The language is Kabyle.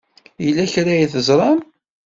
Yella kra ay teẓram?